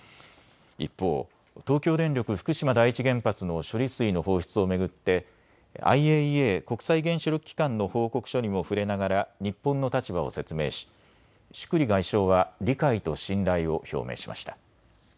一方、東京電力福島第一原発の処理水の放出を巡ってＩＡＥＡ・国際原子力機関の報告書にも触れながら日本の立場を説明しシュクリ外相は理解と信頼を表明しました。